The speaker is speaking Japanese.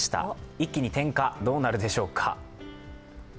一気に点火、どうなるでしょうか。